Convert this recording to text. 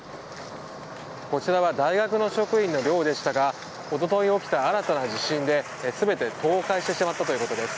こちらは大学の職員の寮でしたがおととい起きた新たな地震で全て倒壊してしまったということです。